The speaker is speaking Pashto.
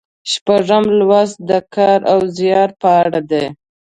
شپږم لوست د کار او زیار په اړه دی.